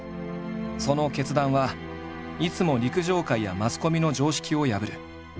その決断はいつも陸上界やマスコミの常識を破る。